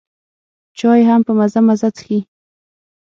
چای هم په مزه مزه څښي.